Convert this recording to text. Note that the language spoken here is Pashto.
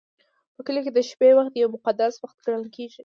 په کلیو کې د شپې وخت یو مقدس وخت ګڼل کېږي.